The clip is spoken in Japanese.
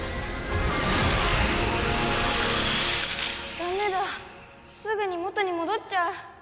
ダメだすぐに元に戻っちゃう。